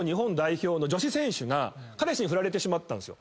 彼氏にフラれてしまったんですよ